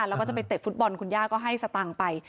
แล้วก็จะไปเตะฟุตบอลคุณย่าก็ให้สตางค์ไป